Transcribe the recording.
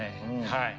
はい。